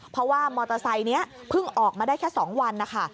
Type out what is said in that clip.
เพราะว่ามอเตอร์ไซค์นี้เพิ่งออกมาได้แค่๒วันนะคะ